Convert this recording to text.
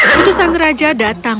putusan raja datang